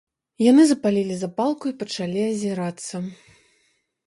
Яны запалілі запалку і пачалі азірацца.